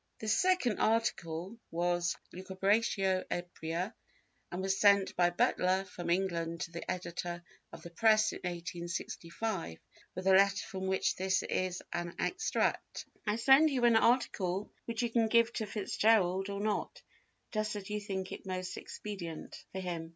This second article was Lucubratio Ebria, and was sent by Butler from England to the editor of the Press in 1865, with a letter from which this is an extract: "I send you an article which you can give to FitzGerald or not, just as you think it most expedient—for him.